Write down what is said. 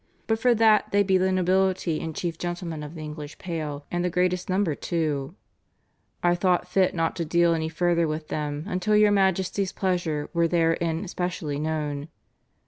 But for that they be the nobility and chief gentlemen of the English Pale, and the greatest number too; I thought fit not to deal any further with them until your Majesty's pleasure were therein specially known."